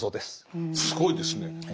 すごいですね。